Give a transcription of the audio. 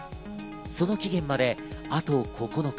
その期限まであと９日。